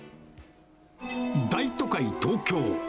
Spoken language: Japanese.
大都会東京。